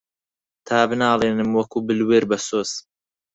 تا بناڵێنم وەکوو بلوێر بەسۆز